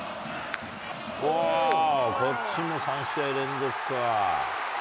こっちも３試合連続か。